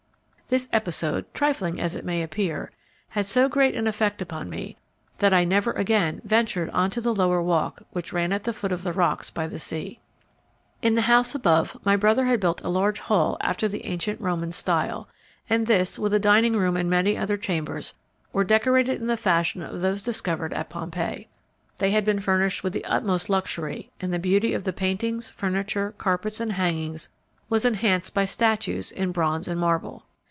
This episode, trifling as it may appear, had so great an effect upon me that I never again ventured on to the lower walk which ran at the foot of the rocks by the sea. In the house above, my brother had built a large hall after the ancient Roman style, and this, with a dining room and many other chambers, were decorated in the fashion of those discovered at Pompeii. They had been furnished with the utmost luxury, and the beauty of the paintings, furniture, carpets, and hangings was enhanced by statues in bronze and marble.